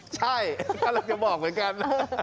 ใช่กำลังจะบอกเหมือนกัน